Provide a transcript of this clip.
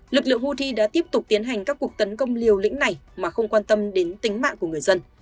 lực lượng houthi đã tiếp tục tiến hành các cuộc tấn công liều lĩnh này mà không quan tâm đến tính mạng của người dân